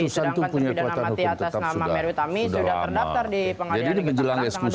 sedangkan terpidana mati atas nama mary utami sudah terdaftar di pengadilan di kekuatan tanggal dua puluh enam juli